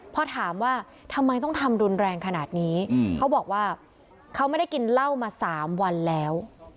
พอถามว่าทำไมต้องทำรุนแรงขนาดนี้เขาบอกว่าเขาไม่ได้กินเหล้ามา๓วันแล้ว